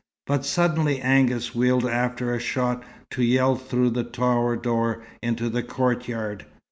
But suddenly Angus wheeled after a shot, to yell through the tower door into the courtyard.